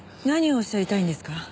何をおっしゃりたいんですか？